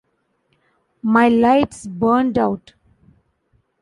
My light's burnt out.